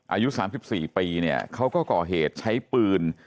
อายุสามสิบสี่ปีเนี่ยเขาก็ก่อเหตุใช้ปลืน